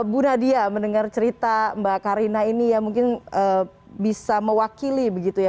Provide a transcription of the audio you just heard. bu nadia mendengar cerita mbak karina ini ya mungkin bisa mewakili begitu ya